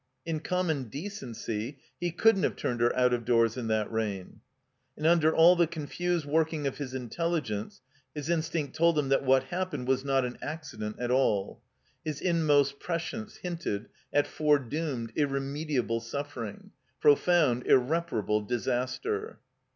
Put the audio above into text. In common decency he couldn't have turned her out of doors in that rain. And under all the confused working of his intelli gence his instinct told him that what happened was not an accident at all. His inmost prescience hinted at foredoomed, irremediable suffering; profotmd, ir reparable disaster.